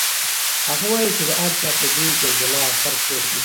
هغه وایي چې د هر چا په ذهن کې یو جلا اثر پروت دی.